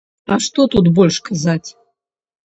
А што тут больш казаць?